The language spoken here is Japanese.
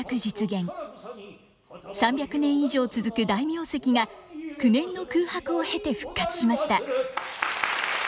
３００年以上続く大名跡が９年の空白を経て復活しました。